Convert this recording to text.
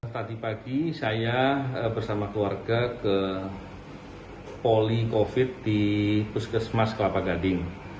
tadi pagi saya bersama keluarga ke poli covid di puskesmas kelapa gading